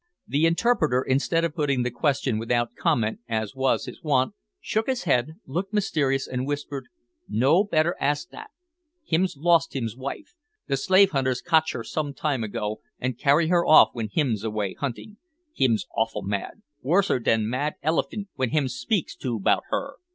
The interpreter, instead of putting the question without comment, as was his wont, shook his head, looked mysterious, and whispered "No better ask dat. Hims lost him's wife. The slave hunters cotch her some time ago, and carry her off when hims away hunting. Hims awful mad, worser dan mad elerphint when hims speak to 'bout her."